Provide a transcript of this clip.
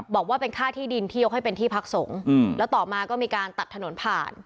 บอกว่าเป็นค่าที่ดินที่ยกให้เป็นที่พักสงฆ์แล้วต่อมาก็มีการตัดถนนผ่าน